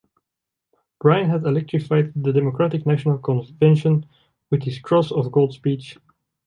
Bryan had electrified the Democratic National Convention with his Cross of Gold speech.